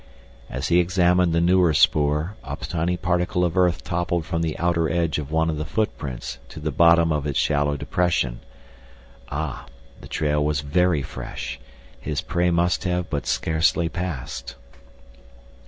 As he examined the newer spoor a tiny particle of earth toppled from the outer edge of one of the footprints to the bottom of its shallow depression—ah, the trail was very fresh, his prey must have but scarcely passed.